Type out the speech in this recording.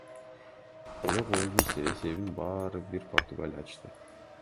Бирок оюндун эсебин баары бир Португалия ачты.